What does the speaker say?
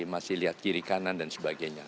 masih lihat kiri kanan dan sebagainya